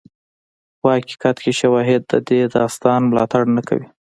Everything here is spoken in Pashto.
خو حقیقت کې شواهد د دې داستان ملاتړ نه کوي.